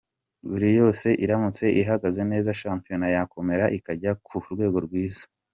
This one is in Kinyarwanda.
Buri yose iramutse ihagaze neza shampiyona yakomera ikajya ku rwego rwiza.